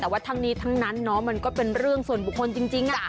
แต่ว่าทั้งนี้ทั้งนั้นมันก็เป็นเรื่องส่วนบุคคลจริง